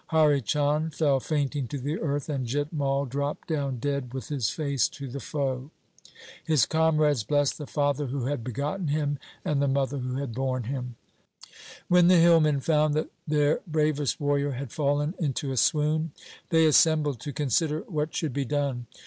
Hari Chand fell fainting to the earth, and Jit Mai dropped down dead with his face to the foe. His comrades blest the father who had begotten him and the mother who had borne him. When the hillmen found that their bravest warrior had fallen into a swoon, they assembled to consider what should be done.